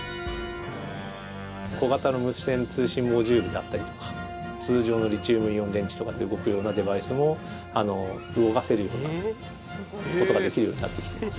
小型の無線通信モジュールであったりとか通常のリチウムイオン電池とかで動くようなデバイスも動かせるようなことができるようになってきています。